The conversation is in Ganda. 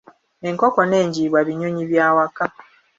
Enkoko n'enjiibwa binyonyi by'awaka.